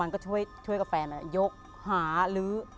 มันก็ช่วยกับแฟนมันยกหาลื้อ